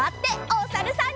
おさるさん。